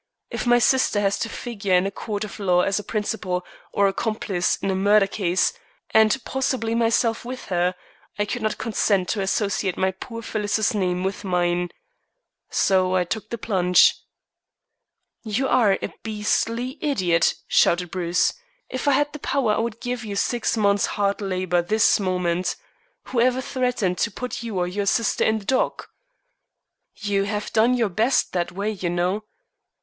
If my sister has to figure in a court of law as a principal, or accomplice, in a murder case and possibly myself with her I could not consent to associate my poor Phyllis's name with mine. So I took the plunge." "You are a beastly idiot," shouted Bruce. "If I had the power I would give you six months' hard labor this moment. Who ever threatened to put you or your sister in the dock?" "You have done your best that way, you know."